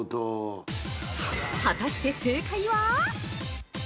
◆果たして正解は？